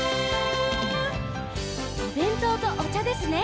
「おべんとうとおちゃですね